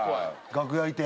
楽屋いて。